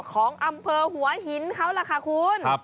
ของอำเภอหัวหินเขาล่ะค่ะคุณ